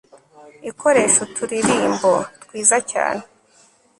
ikoresha uturirimbo twiza cyane